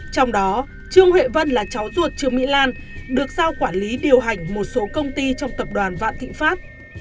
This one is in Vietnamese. trong đó trương huệ vân là cháu ruột trương mỹ lan được giao quản lý điều hành một số công ty trong tập đoàn vạn thịnh pháp